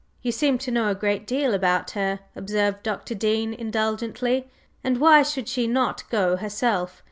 "You seem to know a great deal about her," observed Dr. Dean indulgently, "and why should she not go herself?